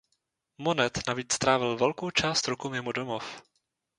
Monet navíc trávil velkou část roku mimo domov.